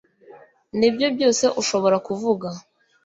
nibyo byose ushobora kuvuga